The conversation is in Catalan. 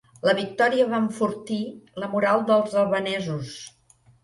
La victòria va enfortir la moral dels albanesos.